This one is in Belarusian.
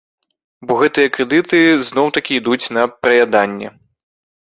Бо гэтыя крэдыты зноў-такі ідуць на праяданне.